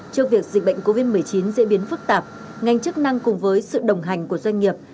trước việc dịch bệnh covid một mươi chín diễn biến phức tạp ngành chức năng cùng với sự đồng hành của doanh nghiệp